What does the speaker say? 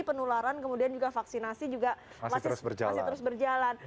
penularan kemudian juga vaksinasi juga masih terus berjalan